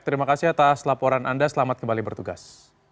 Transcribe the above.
terima kasih atas laporan anda selamat kembali bertugas